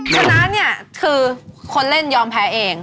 ยังไงฉะนั้นคือคนเล่นยอมแพ้เอง